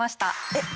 えっ？